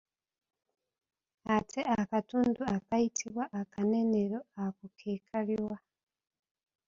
Ate akatundu akayitibwa akanenero ako ke kaliwa?